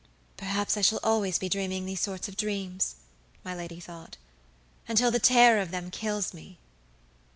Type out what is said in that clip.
"Perhaps I shall be always dreaming these sort of dreams," my lady thought, "until the terror of them kills me!"